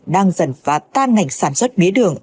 đang dần phá tan ngành sản xuất bía đường